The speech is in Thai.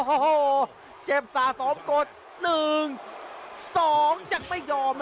โอ้โหเจ็บสะสมกด๑๒ยังไม่ยอม